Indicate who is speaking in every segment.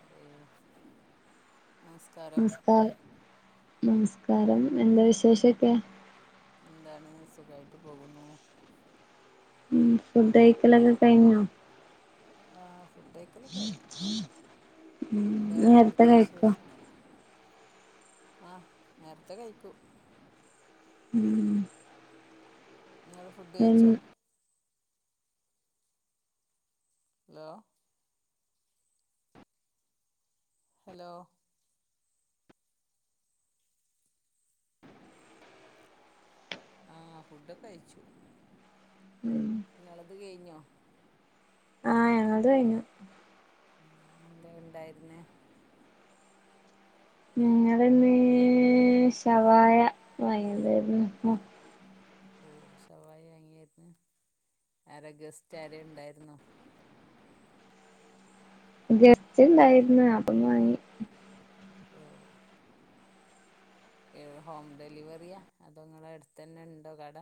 Speaker 1: അതെ അസ്
Speaker 2: നിസ്കാര് നമസ്കാരംഎന്താ വിശേഷൊക്കെ?
Speaker 1: എന്താണ് സുഖായ്ട്ട് പോകുന്നു.
Speaker 2: ഉമ് ഫുഡയ്ക്കലൊക്കെ കയ്ഞ്ഞോ?
Speaker 1: ആഹ് ഫുഡയ്ക്കലൊക്കെ കയ്ഞ്ഞു. എന്താണ്
Speaker 2: നേരത്തെ
Speaker 1: എവിടുത്തെ
Speaker 2: കഴിക്കോ
Speaker 1: വിശേഷം? ആഹ് നേര്ത്തെ കയ്ക്കും.
Speaker 2: ഉമ്
Speaker 1: ഇങ്ങൾ ഫുഡ്
Speaker 2: ഉം
Speaker 1: കയ്ച്ചോ? ഹലോ ഹെലോ ആഹ് ഫുഡൊക്കെകയ്ച്ചു.
Speaker 2: ഉമ്
Speaker 1: ഇങ്ങളൾത് കെയ്ഞ്ഞോ?
Speaker 2: ആഹ് ഞങ്ങൾത് കയ്ഞ്ഞു.
Speaker 1: ഉമ് ന്തേ ഇണ്ടായിരുന്നേ?
Speaker 2: ഞങ്ങള്ന്ന് ശവായ വാങ്ങിതായിരുന്നു.
Speaker 1: ഓഹ് ശവായ വാങ്ങിയായിര്ന്നു ആര ഗെസ്റ്റ് ആരേ ഇണ്ടായിരുന്നോ?
Speaker 2: ഗെസ്റ്റ്ണ്ടായിരുന്നു അപ്പം വാങ്ങി
Speaker 1: ഓഹ് ഏഹ് ഹോം ഡെലിവറിയാ അതോ നിങ്ങളെ എടുത്തെന്നെണ്ടോ കട?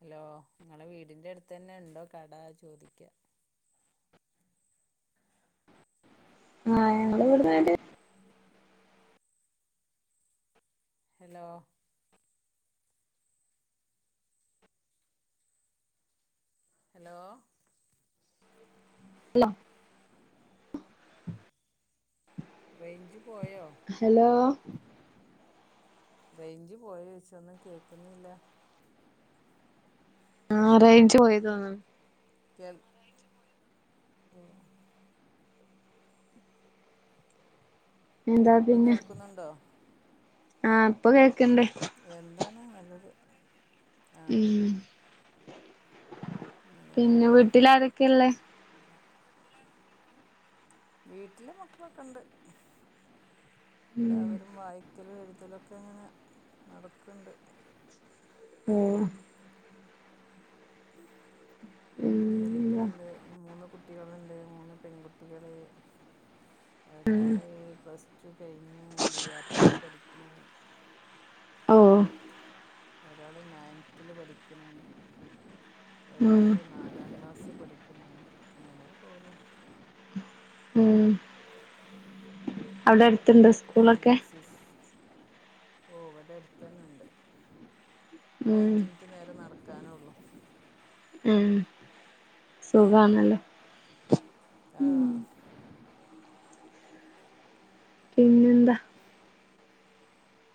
Speaker 1: ഹെലോ ഇങ്ങളെ വീടിന്റെട്തെന്നെ ഇണ്ടോ കടചോദിക്ക
Speaker 2: ആഹ് ഞങ്ങള് ഇവട്ന്നേരെ
Speaker 1: അഹ് ഹെലോ ഹെലോ
Speaker 2: ലോ
Speaker 1: റേയ്ഞ്ച്പോയോ?
Speaker 2: ഹെലോ
Speaker 1: റേയ്ഞ്ച് പോയോയ്ച്ച ഒന്നും കേൾക്കുന്നില്ല.
Speaker 2: ആഹ് റെയ്ഞ്ച് പോയിതോന്ന്ണ്.
Speaker 1: കേൾ ആഹ്
Speaker 2: എന്താ
Speaker 1: ഇപ്പൊ
Speaker 2: പിന്നെ
Speaker 1: കേൾക്കുന്നുണ്ടോ?
Speaker 2: ആഹ് ഇപ്പൊ കേൾക്ക്ണ്ട്.
Speaker 1: എന്താണ്ന്നല്ലെത് ആഹ്, ആഹ്
Speaker 2: ഉം പിന്നെ
Speaker 1: ഇങ്ങനെപോകുന്നു.
Speaker 2: വീട്ടിലാരൊക്കെള്ളേ
Speaker 1: വീട്ടില് മക്കളൊക്കെ ഇണ്ട്.
Speaker 2: ഉം
Speaker 1: എല്ലാവരും വായിക്കലും എഴുതലൊക്കെ ഇങ്ങനെ നടക്കണ്ട്.
Speaker 2: ഉം ഉം
Speaker 1: വലുതുണ്ട് മൂന്ന് കുട്ടികൾണ്ട് മൂന്ന് പെൺകുട്ടികള്. ഒരാള് പ്ലസ് ടു കഴിഞ്ഞു ഡി ആർ ടിക്ക് പഠിക്കണു
Speaker 2: ഓ
Speaker 1: ഒരാള് നയൻത്തില് പഠിക്കണ്
Speaker 2: ഉം
Speaker 1: ഒരാള് നാല് ക്ലാസ്സ് പഠിക്കുണ് അങ്ങനെ പോണ്.
Speaker 2: ഉം അവിടെ അടുത്തുണ്ടോ
Speaker 1: അതക്ക ഇപ്പൊ
Speaker 2: സ്കൂളൊക്കെ
Speaker 1: എൻസിസ് ഓ ഇവിടെ അടുത്ത് തന്നെ ഉണ്ട് ഒര്
Speaker 2: ഉം
Speaker 1: അഞ്ചിനിറ്റ് നേരെ നടക്കാനേ ഉള്ളൂ.
Speaker 2: ഉം സുഖണല്ലേ?
Speaker 1: ആഹ്
Speaker 2: പിന്നെന്താ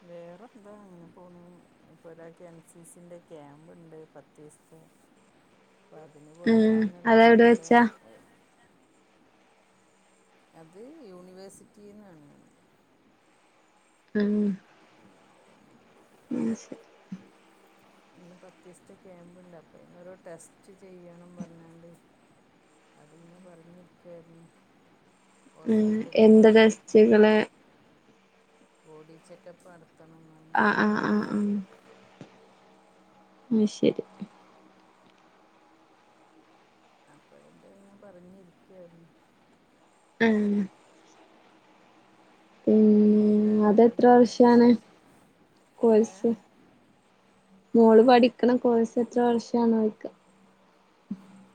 Speaker 1: വേറെ എന്താ അങ്ങനെ പോണ് ഇപ്പൊ ഒരാകെ എൻ സി സിന്റെ ക്യാമ്പുണ്ട് പത്ത് ദിവസത്തെ
Speaker 2: [inaudible]
Speaker 1: അപ്പൊ അതിന്
Speaker 2: ഉം
Speaker 1: പോകാനുള്ളങ്ങനെ
Speaker 2: അതെവിടെ
Speaker 1: ഓരോ
Speaker 2: വെച്ചാ
Speaker 1: അത് എവിടെ വെച്ചിട്ട അത് യൂണിവേഴ്സിറ്റിന്നാണ് അത്
Speaker 2: ഉം
Speaker 1: അപ്പം
Speaker 2: ഉം ശരി
Speaker 1: അന് പത്തിസത്തെ ക്യാമ്പ് ഇണ്ട് അപ്പ അയിന് ഓരോ ടെസ്റ്റ് ചെയ്യണം പറഞ്ഞാണ്ട് അതിങ്ങനെ പറഞ്ഞിരിക്കായിരുന്നു.
Speaker 2: ഉം
Speaker 1: ഹോസ്പിറ്റലില്
Speaker 2: എന്ത്
Speaker 1: പോയി ടെസ്റ്റ്
Speaker 2: ടെസ്റ്റുകള്
Speaker 1: ചെയ്യാണ് ബോഡി ചെക്കപ്പ് നടത്തണംന്ന്
Speaker 2: ആഹ് ആഹ് ആഹ് ആ ശരി
Speaker 1: അപ്പ അതിന്റെ ഇങ്ങ് പറഞ്ഞരിക്കായിരുന്നു.
Speaker 2: ഉം പിന്നെ
Speaker 1: എന്താണ്
Speaker 2: അതെത്ര
Speaker 1: അവിടെ
Speaker 2: വർഷാണ്
Speaker 1: വിശേഷം ഏ
Speaker 2: കോഴ്സ് മോള് പഠിക്കണ കോഴസ് എത്ര വർഷണോ ചോയ്ക്ക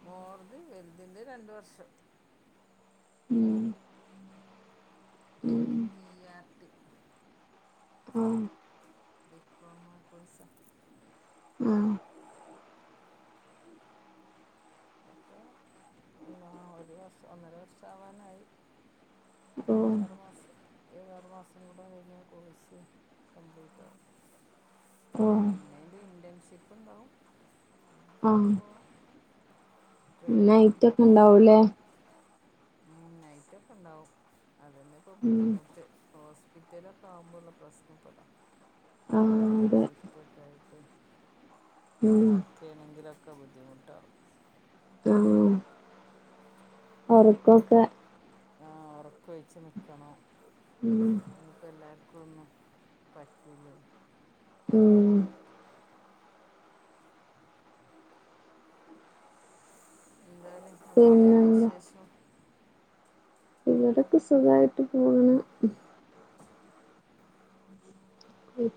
Speaker 1: മോള്ത് വലുതിന്റെ രണ്ട് വർഷം
Speaker 2: ഉം ഉം
Speaker 1: എച്ച് ഡി ആർ ടി
Speaker 2: ആഹ്
Speaker 1: ഡിപ്ലോമമാ കൊഴ്സ
Speaker 2: ആ
Speaker 1: അപ്പ എന്താ ഒരു വർഷം ഒന്നര വർഷം ആവാനായി ഇനി ഒര്
Speaker 2: ഓഹ്
Speaker 1: ആറു മാസം ഇനി ആറ്മാസം കൂടെ കഴിഞ്ഞാൽ കോഴ്സ് കംപ്ലീറ്റ് ആവും
Speaker 2: ഓഹ്
Speaker 1: പിന്നെന്റെ ഇന്റേൺഷിപ്പ് ഉണ്ടാവും അതിന് പോ
Speaker 2: ആഹ്
Speaker 1: പോവാ ട്രെയിനിങ്
Speaker 2: നൈറ്റൊക്കെ
Speaker 1: ഇതൊക്കെ ആയിട്ട്
Speaker 2: ഉണ്ടാവൂലേ
Speaker 1: ഉണ്ടാവുംലെ ഉം നൈറ്റ്ക്കെ ഉണ്ടാവും. അതന്നെ ഇപ്പൊ
Speaker 2: ഉം
Speaker 1: ബുദ്ധിമുട്ട് ഹോസ്പിറ്റല ഒക്കെ ആവുമ്പോഴുള്ള പ്രശ്നം ഇപ്പൊതാ.
Speaker 2: ആഹ്
Speaker 1: നൈറ്റ്
Speaker 2: അതെ
Speaker 1: ഷിഫ്റ്റ് ഒക്കെ ആയിട്ട്
Speaker 2: ഉം
Speaker 1: വർക്ക് ഒക്കെ ആണെങ്കിലൊക്കെ ബുദ്ധിമുട്ടാവും
Speaker 2: ഉം അരി
Speaker 1: ആഹ് ഉറക്ക ഒഴച്ച്നിക്കണം.
Speaker 2: ഉം
Speaker 1: അത്പ്പോ എല്ലാർക്കും ഒന്നും പറ്റൂല
Speaker 2: ഉം
Speaker 1: [inaudible] എന്താണ് അവിടത്തക്കെ
Speaker 2: പിന്നെന്താ
Speaker 1: വിശേഷം?
Speaker 2: ഇവിടൊക്കെ സുഖയിട്ട് പോക്ണ്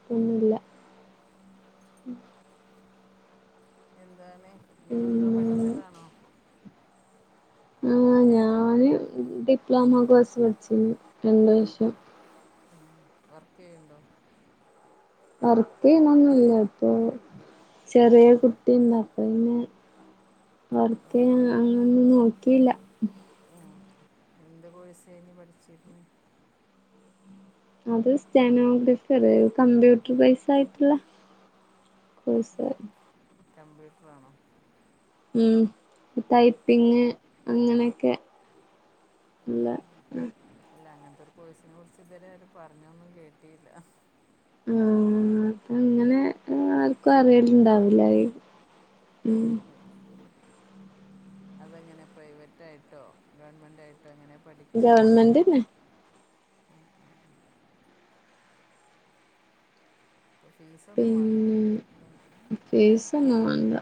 Speaker 2: പ്പൊന്നുല്ല
Speaker 1: എന്താണ് നിങ്ങെന്തോ
Speaker 2: പിന്നെ
Speaker 1: പഠിച്ചതാണോ?
Speaker 2: ആ ഞാന് ഡിപ്ലോമ കോഴ്സ് പഠിച്ചിരുന്നു രണ്ട വഷം
Speaker 1: ഉം വർക്ക് യ്യണ്ടോ?
Speaker 2: വർക്ക്യ്യുന്നൊന്നല്ല പ്പൊ ചെറിയ കുട്ടിന്ന അ പിന്നെ വർക്ക
Speaker 1: ഓ
Speaker 2: അങ്ങൊ ഒന്നും നോക്കിയില്ല
Speaker 1: ആഹ് എന്ത് കോഴസായിനി പഠിച്ചിരുന്നെ?
Speaker 2: അത് സ്റ്റാനോഗ്രഫി അറിയ്യോ കമ്പ്യൂട്ടർ ബൈസ് ആയിട്ടുള്ള കൊയ്സ്
Speaker 1: കമ്പ്യൂട്ടറാണോ?
Speaker 2: ഉം ടൈപ്പിങ് അങ്ങനെയൊക്കെ ഉള്ള
Speaker 1: ഉം അല്ല അങ്ങനത്തെ ഒരു പോയ്സിനെ കുറിച്ച് ഇതുവരെ ആരും പറഞ്ഞൊന്നും കേട്ടിയില്ല
Speaker 2: ആ അപ്പ ങ്ങനെ ഇങ്ങ അറിയലുണ്ടാവില്ല ലെ ഉം
Speaker 1: അതെങ്ങനെ പ്രൈവറ്റ് ആയിട്ടോ ഗവൺമെന്റ് ആയിട്ടോ എങ്ങനെ പഠിച്ചിരുന്ന?
Speaker 2: ഗവൺമെന്റ്ന്നെ
Speaker 1: ആഹ് ആഹ് പ്പൊ ഫീസ ഒന്നും മാണ്ട
Speaker 2: പിന്നെ
Speaker 1: ലെ
Speaker 2: ഫീസൊന്നും വേണ്ട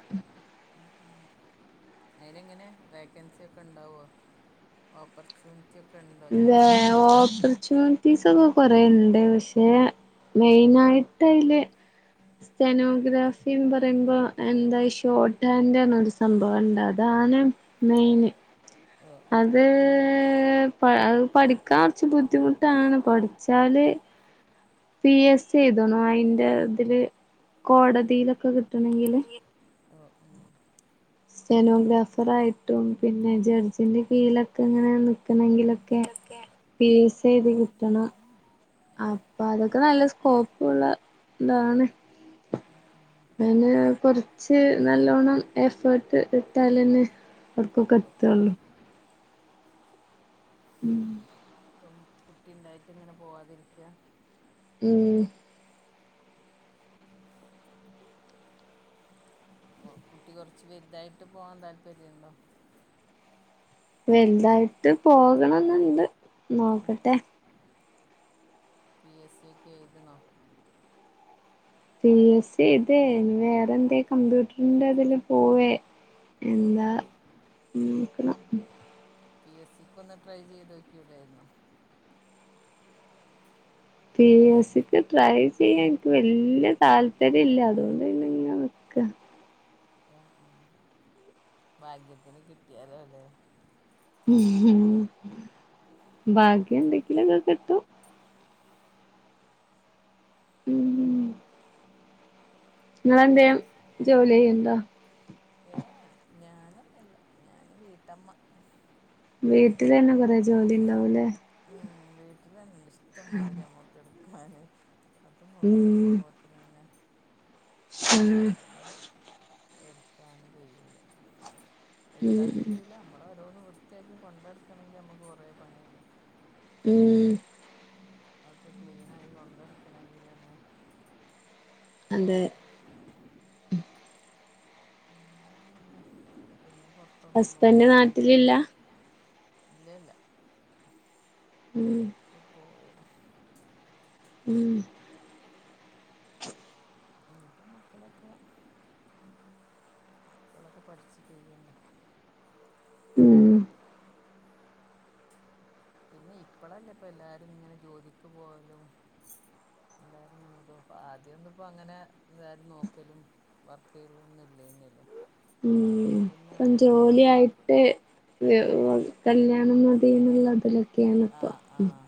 Speaker 1: അതിന് ങ്ങനെ വേക്കൻസി ഒക്കെ ണ്ടാവോ? ഓപ്പർച്യൂണിറ്റി ചൊക്കാൻ
Speaker 2: ല്ല ഓപ്പർ ച്ചു - ഫീസൊക്കെ കൊറെേ ണ്ട് പക്ഷെ മെയിനയിട്ടയില് സെനോഗ്രാഫിന്ന് പറയുമ്പോ എന്താ ഷോർട്ട് ഹാൻഡ് ആണ് സംഭവണ്ട് അതാണ് മെയിന്
Speaker 1: ഓ ഉം
Speaker 2: അത് അ പഠിക്കാൻ കുറച്ച് ബുദ്ധിമുട്ടാണ് പഠിച്ചാല് പി എസ് സി ചെയ്തോണു അതിന്റെ ഇതില് കോടതിയിലൊക്കെ കിട്ടണെങ്കില്
Speaker 1: ട്ടണെങ്കി ഓ ആ
Speaker 2: സെനോഗ്രാഫർ ആയിട്ടും പിന്നെ ജഡ്ജിന്റെ കീഴിലൊക്കെ ങ്ങനെ നക്കണമെങ്കിലും ഒക്കെ P A
Speaker 1: O
Speaker 2: C
Speaker 1: O
Speaker 2: എയ്തി കിട്ടണം
Speaker 1: ആഹ്
Speaker 2: അപ്പൊ അതൊക്കെ നല്ല സ്കോപ്പ് ള്ള താണ്.
Speaker 1: ഉം ഉം
Speaker 2: അയിന് കൊറച്ച് നല്ലോണ്ണം എഫേർട്ട് ഇട്ട ലന്നെ ആവുടക്കൊക്കെ
Speaker 1: ഓ
Speaker 2: എത്തൊള്ളൂ ഉം
Speaker 1: ഇപ്പം കുട്ടിണ്ടായിട്ട് ഇങ്ങനെ പോവാതിരിക്ക
Speaker 2: ഉം
Speaker 1: [inaudible] കുട്ടി കുറച്ച് വലുതായിട്ട് പോവാാൻ താല്പര്യണ്ടോ
Speaker 2: വലുതായിട്ട് പോകണന്നുണ്ട്
Speaker 1: ഓ
Speaker 2: നോക്കട്ടെ
Speaker 1: പി എസ് സി ഒക്കെ എഴുതണോ?
Speaker 2: പി എസ് സി ഏയ്‌തേ ഇനി വേറെ എന്തെങ്കിലും കമ്പ്യൂട്ടറിന്റെ അതില് പോവേ.
Speaker 1: ഓ
Speaker 2: എന്താ നോക്കണം
Speaker 1: പി എസ് സിക്ക് ഒന്ന് ട്രൈ ചെയ്ത് നോക്കിടായിരുന്നൊ?
Speaker 2: പി എസ് സിക്ക് ട്രൈ ചെയ്യാൻ ഇനിക്ക് വല്യ താല്പര്യല്ല അതുകൊണ്ട് പിന്നെ ഇങ്ങനെ
Speaker 1: [unintelligible]
Speaker 2: നിക്കാ
Speaker 1: ആഹ് ആഹ് ഭാഗ്യത്തിന് കിട്ടിയാലോ ല്ലെ
Speaker 2: ഭാഗ്യ
Speaker 1: [unintelligible]
Speaker 2: ഉം നിങ്ങങ്ങളെന്തേം ജോലി ചെയ്ണ്ടൊ?
Speaker 1: ഏഹ് ഏഹ് ഞാനൊന്നും ഇല്ല ഞാന് വീട്ടമ്മ
Speaker 2: വീട്ടിൽ തന്നെ കൊറെേ ജോലിണ്ടാവൂല്ലേ
Speaker 1: ഉം വീട്ടിൽ തന്നെ ഇണ്ട് ഇഷ്ടം മാതിരി അമ്മക്ക് എടുക്കാന് അത്
Speaker 2: ഉം
Speaker 1: നോക്കിരിക്കുമ്പോ പിന്നെ
Speaker 2: ആഹ്
Speaker 1: അതന്നെ ഇപ്പൊ എടുക്കാന് കഴിയൂല എടുത്ത
Speaker 2: ഉം
Speaker 1: തീരൂല്ല നമ്മളെ ഓരോന്ന് വൃത്തിയാക്കി കൊണ്ടടക്കണമെങ്കിൽ നമ്മക്ക് കൊറേ പണിയല്ലേ
Speaker 2: ഉം
Speaker 1: അതൊക്കെ ക്ലീൻ ആയി കൊണ്ട് നടക്കണം എങ്കില് തന്നെ
Speaker 2: അതെ
Speaker 1: കൊറേ പണി ഉ പിന്നെ പിന്നെ പുറത്ത്
Speaker 2: ഹസ്ബന്റ് നാട്ടിലില്ല
Speaker 1: ഇല്ലല്ല
Speaker 2: ഉം
Speaker 1: ഇപ്പ പോയതാ
Speaker 2: ഉം
Speaker 1: ഇനി ഇപ്പോ മക്കളൊക്കെ മക്കളൊക്കെ പഠിച്ച് കയ്യണ്ടേ
Speaker 2: ഉം
Speaker 1: പിന്നെ ഇപ്പളല്ലേ ഇപ്പ എല്ലാരും ഇങ്ങനെ ജോലിക്ക് പോകലും എല്ലാരും ഇങ്ങനെ നോക്കപ്പ ആദ്യ ഒന്നും ഇപ്പ അങ്ങനെ എന്താരും നോക്കലും വർക്ക് ചെയ്യലും ഒന്നും ഇല്ലേന്നല്ലോ
Speaker 2: ഉം ഇപ്പം ജോലി
Speaker 1: വീട്ടിലിരിക്കും
Speaker 2: ആയിട്ട് കല്യാണം മതി എന്നുള്ളതിലൊക്കെയാണ് ഇപ്പൊ
Speaker 1: ആഹ് ആഹ്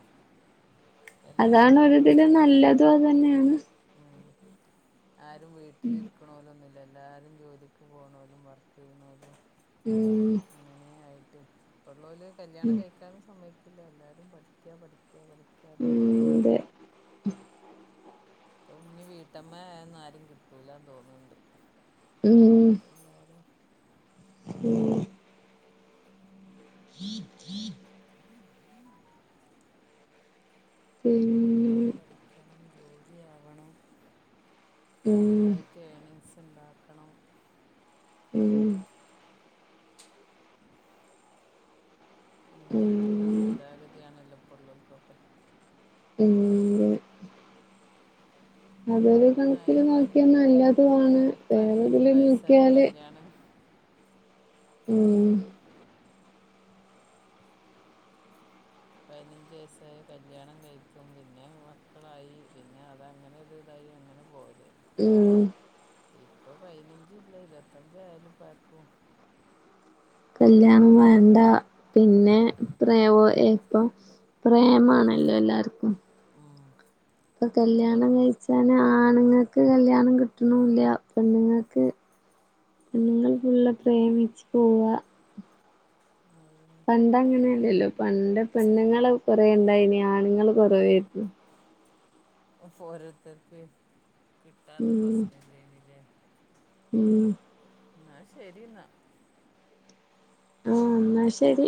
Speaker 2: അതാണ്
Speaker 1: എല്ലാർക്കും
Speaker 2: ഒര്
Speaker 1: ഇത്
Speaker 2: ഇതിലും നല്ലതും അത് തന്നെയാണ്
Speaker 1: ഉം ആരും വീട്ടിലിരിക്ക്ണോലൊന്നും ഇല്ല എല്ലാരും ജോലിക്ക് പോണോലും വർക്ക് ചെയ്യ്ണോലും
Speaker 2: ഉം
Speaker 1: അങ്ങനെ ആയിട്ടെ ഇപ്പുള്ള ഓല് കല്യാണം
Speaker 2: ഉം
Speaker 1: കഴിക്കാനും സമയക്കില്ല എല്ലാരും പഠിക്കാ പഠിക്ക. ക്ക പഠിക്കാ പറഞ്ഞാണ്ട്ള്ള
Speaker 2: ഉം അതെ
Speaker 1: ഇപ്പൊ ഇനി വീട്ടമ്മന്ന ആരും കിട്ടൂലന്ന് തോന്നുന്നുണ്ട്
Speaker 2: ഉം
Speaker 1: എല്ലാരും
Speaker 2: ഉം [inaudible]
Speaker 1: [inaudible]
Speaker 2: പിന്നെ
Speaker 1: എല്ലാർക്കും പഠിക്കണം ജോലി ആവണം സന്ത
Speaker 2: ഉം
Speaker 1: ഏണിങ്സ് ണ്ടാക്കണം
Speaker 2: ഉം
Speaker 1: അങ്ങനെ ഒക്കെ ഒള്ള ഒരു
Speaker 2: ഉം
Speaker 1: ചിന്താഗതിയാണല്ലോ ഇപ്പൊ ഒള്ളവർക്ക് ഒക്കെ
Speaker 2: ഉം അതൊരു
Speaker 1: പണ്ടൊന്നും ആയ
Speaker 2: കണക്കില്
Speaker 1: പ
Speaker 2: നോക്കിയാ നല്ലതും ആണ്
Speaker 1: പതിനഞ്ച്
Speaker 2: വേറെതില്
Speaker 1: വയസ്സായ
Speaker 2: നോക്കിയാല്
Speaker 1: കല്യാണം ഓ
Speaker 2: ഉം
Speaker 1: പയിനഞ്ച് വയസ്സായ കല്യാണം കഴിക്കും പിന്നെ മക്കളായി പിന്നെ അതങ്ങനെരുതായി അങ്ങനെ പോവല്
Speaker 2: ഉം
Speaker 1: ഇപ്പ പതിനഞ്ചും ഇല്ല ഇരുപത്തഞ്ചായാലും പ്പാർക്കും
Speaker 2: കല്യാണം വേണ്ട
Speaker 1: ഉം
Speaker 2: പിന്നെ പ്രമോയ ഇപ്പൊ പ്രേമാണല്ലോ എല്ലാർക്കും
Speaker 1: ഉം
Speaker 2: ഇപ്പൊ കല്ല്യാണം
Speaker 1: പഠിക്കും
Speaker 2: കഴിച്ചാന് ആണുങ്ങൾക്ക് കല്യാണം കിട്ടണൂല്ല പെണ്ണുങ്ങൾക്ക് പെൺങ്ങൾ ഫുള്ള് പ്രേമിച്ച് പൊവ്വ
Speaker 1: അതന്നെ
Speaker 2: പണ്ട് അങ്ങനെയല്ലല്ലോ പണ്ട് പെണ്ണുങ്ങള് കൊറേ ഉണ്ടായിനി ആണുങ്ങൾ കുറവായിരുന്നു
Speaker 1: ഒ ഫോരോരുത്തർക്ക് കിട്ടാത്ത
Speaker 2: ഉം
Speaker 1: പ്രശ്നല്ലേ ഇനല്ലേ
Speaker 2: ഉം
Speaker 1: ന്നാ ശരി ന്നാ
Speaker 2: ആഹ് ന്നാ ശരി